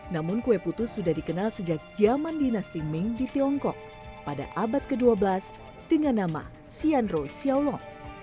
namun kue putu sudah dikenal sejak zaman dinasti ming di tiongkok pada abad ke dua belas dengan nama sianro xiaolog